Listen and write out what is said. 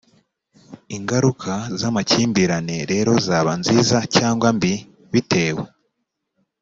ingaruka z amakimbirane rero zaba nziza cyangwa mbi bitewe